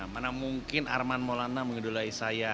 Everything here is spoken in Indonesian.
mana mungkin arman molana mengedulai saya